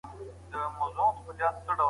بد فکر انسان ټيټوي